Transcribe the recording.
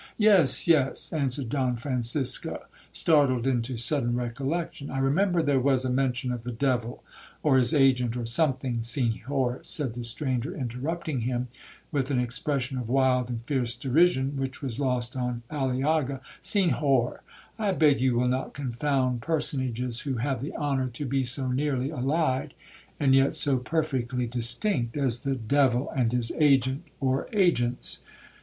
'—'Yes, yes,' answered Don Francisco, startled into sudden recollection, 'I remember there was a mention of the devil,—or his agent,—or something'—'Senhor,' said the stranger interrupting him, with an expression of wild and fierce derision, which was lost on Aliaga—'Senhor, I beg you will not confound personages who have the honour to be so nearly allied, and yet so perfectly distinct as the devil and his agent, or agents.